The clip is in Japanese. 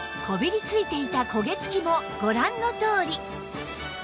こびりついていた焦げ付きもご覧のとおり